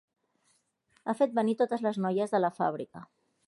Ha fet venir totes les noies de la fàbrica